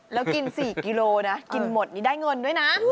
แล้วกิน๔กิโลนะกินหมดนี่ได้เงินด้วยนะ